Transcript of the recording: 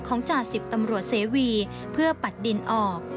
จ่าสิบตำรวจเสวีเพื่อปัดดินออก